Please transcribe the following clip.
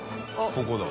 ここだ。